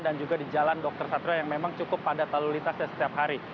dan juga di jalan dr satria yang memang cukup padat lalulitasnya setiap hari